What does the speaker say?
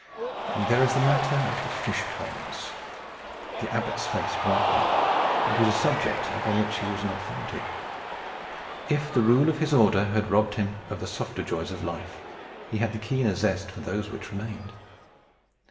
"There is the matter of the fish ponds." The Abbot's face brightened. It was a subject upon which he was an authority. If the rule of his Order had robbed him of the softer joys of life, he had the keener zest for those which remained.